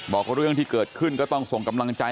บอกเรื่องที่เกิดขึ้นก็ต้องส่งกำลังใจ